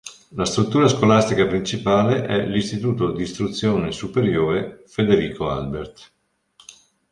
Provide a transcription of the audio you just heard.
La struttura scolastica principale è l'Istituto di Istruzione Superiore "Federico Albert".